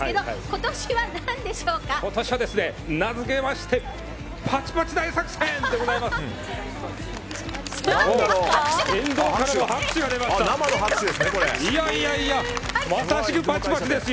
今年は名づけましてパチパチ大作戦でございます！